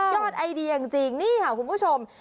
ไอเดียจริงนี่ค่ะคุณผู้ชม